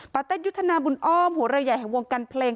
ปาแต๊ดยุทธนาบุญอ้อมหัวระยะแห่งวงกันเพลง